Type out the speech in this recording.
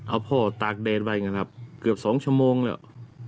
ป่ะพ่อตากเดทไปกันครับเกือบสองชั่วโมงแล้ว